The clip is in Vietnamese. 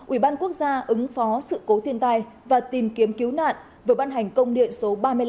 ủy ban quốc gia ứng phó sự cố thiên tai và tìm kiếm cứu nạn vừa ban hành công điện số ba mươi năm